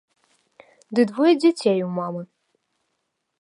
Ды двое дзяцей у мамы!